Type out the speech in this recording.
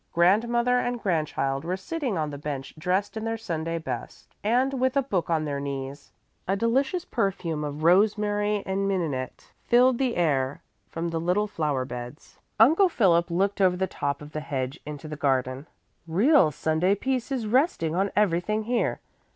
Grandmother and grandchild were sitting on the bench dressed in their Sunday best and with a book on their knees. A delicious perfume of rosemary and mignonette filled the air from the little flower beds. Uncle Philip looked over the top of the hedge into the garden. "Real Sunday peace is resting on everything here.